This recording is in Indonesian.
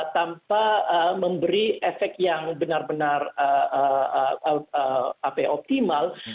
tanpa memberi efek yang benar benar optimal